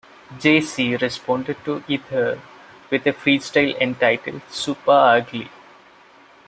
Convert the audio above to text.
Jay-Z responded to "Ether" with a freestyle entitled "Supa Ugly".